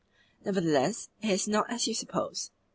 "Nevertheless, it is not as you suppose.